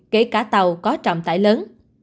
kể cả tàu có trọng tải lớn